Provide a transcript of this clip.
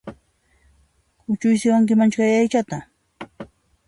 Kuchuysiwankimanchu kay aychata?